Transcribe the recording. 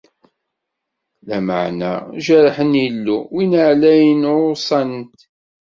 Lameɛna jeṛṛben Illu, Win Ɛlayen, ɛuṣan-t.